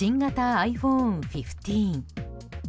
ｉＰｈｏｎｅ１５。